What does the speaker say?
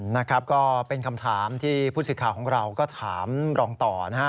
นะครับก็เป็นคำถามที่ผู้สิทธิ์ข่าวของเราก็ถามรองต่อนะฮะ